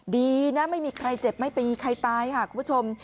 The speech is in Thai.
ดีนะไม่มีใครเจ็บไม่ไปมีใครตายค่ะคุณผู้ชม